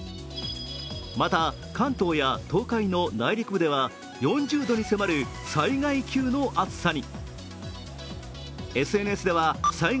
また関東や東海の内陸部では４０度に迫る災害級の暑さに。